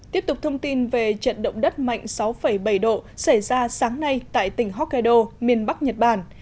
tiếp tục thông tin về trận động đất mạnh sáu bảy độ xảy ra sáng nay tại tỉnh hokkaido miền bắc nhật bản